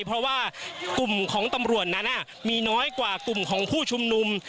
เพราะว่ากลุ่มของตำรวจนั้นมีน้อยกว่ากลุ่มของผู้ชุมนุม